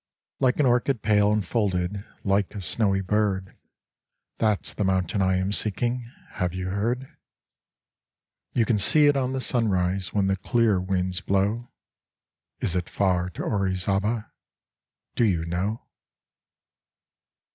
Like an orchid pale and folded, Like a snowy bird, That's the mountain I am seeking, Have you heard? You can see it on the sunrise When the clear winds blow. Is it far to Orizaba, Do you know?